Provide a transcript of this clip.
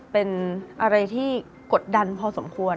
เป็นอะไรที่กดดันพอสมควร